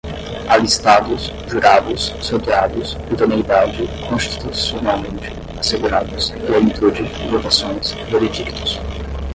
alistados, jurados, sorteados, idoneidade, constitucionalmente, assegurados, plenitude, votações, veredictos